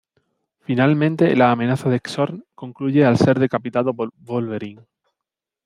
Finalmente la amenaza de Xorn concluye al ser decapitado por Wolverine.